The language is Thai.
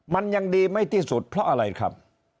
มันยังดีไม่ที่สุดเพราะอะไรครับ